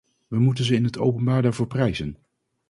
We moeten ze in het openbaar daarvoor prijzen.